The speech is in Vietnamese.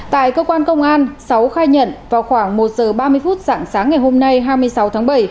tại cơ quan công an sáu khai nhận vào khoảng một giờ ba mươi phút dạng sáng ngày hôm nay hai mươi sáu tháng bảy